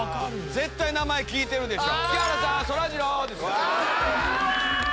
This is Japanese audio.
絶対名前聞いてるでしょ。